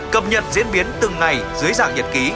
cập nhật diễn biến từng ngày dưới dạng nhật ký